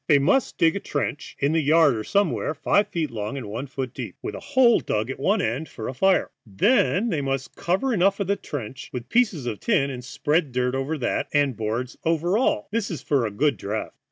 They must dig a trench, in the yard or somewhere, five feet long and one foot deep, with a hole dug at one end for a fire. Then they must cover over the trench with pieces of tin and spread dirt over that, and boards over all; this is for a good draught.